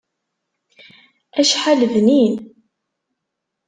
Acḥal bnin!